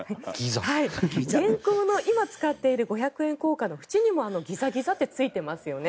現行の今、使っている五百円硬貨の縁にもギザギザってついてますよね。